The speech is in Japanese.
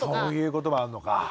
そういうこともあるのか。